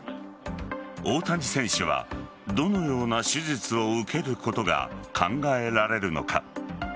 大谷選手はどのような手術を受けることが考えられるのか。